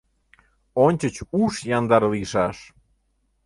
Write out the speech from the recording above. Ончыч уш яндар лийшаш!